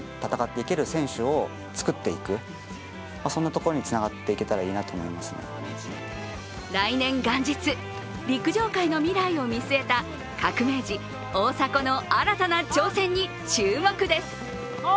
これにはチームの仲間も来年元日、陸上界の未来を見据えた革命児・大迫の新たな挑戦に注目です。